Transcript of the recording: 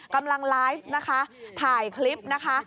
กำลังไลฟ์นะคะถ่ายคลิปนะคะ